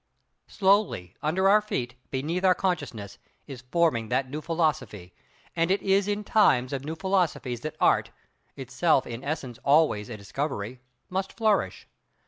Slowly, under our feet, beneath our consciousness, is forming that new philosophy, and it is in times of new philosophies that Art, itself in essence always a discovery, must flourish.